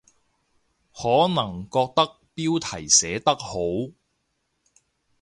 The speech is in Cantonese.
可能覺得標題寫得好